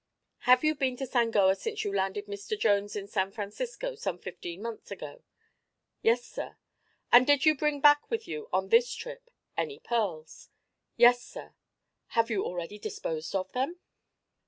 "Have you been to Sangoa since you landed Mr. Jones in San Francisco, some fifteen months ago?" "Yes, sir." "And did you bring back with you, on this trip, any pearls?" "Yes, sir." "Have you already disposed of them?"